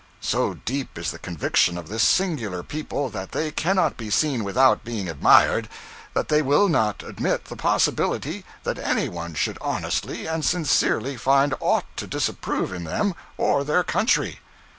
So deep is the conviction of this singular people that they cannot be seen without being admired, that they will not admit the possibility that any one should honestly and sincerely find aught to disapprove in them or their country.